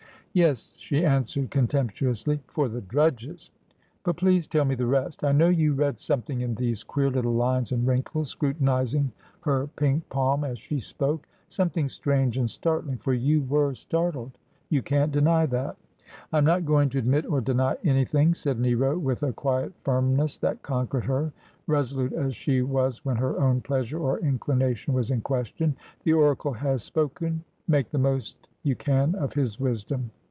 ' Yes,' she answered contemptuously ;' for the drudges. But please tell me the rest. I know you read something in these queer little liifes and wrinkles,' scrutinising her pink palm as she spoke, ' something strange and startling — for you were startled. You can't deny that.' ' I am not going to admit or deny anything,' said Nero, with a quiet firmness that conquered her, resolute as she was when her own pleasure or inclination was in question. ' The oracle has spoken. Make the most you can of his wisdom.'